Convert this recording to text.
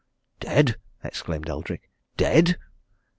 "Dead?" exclaimed Eldrick. "Dead!"